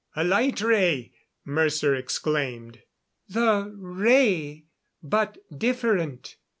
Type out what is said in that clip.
"A light ray!" Mercer exclaimed. "The ray but different."